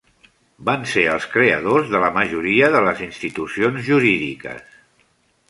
Van ser els creadors de la majoria de les institucions jurídiques.